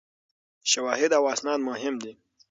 شواهد او اسناد مهم دي.